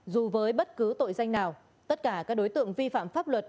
dù với bất cứ tội danh nào tất cả các đối tượng vi phạm pháp luật